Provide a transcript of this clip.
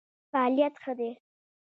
فعالیت ښه دی.